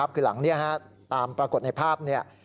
คือหลังนี้ตามปรากฏในภาพนี้